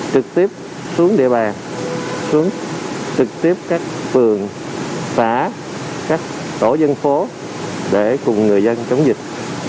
trực tiếp xuống địa bàn xuống trực tiếp các phường xã các tổ dân phố để cùng người dân chống dịch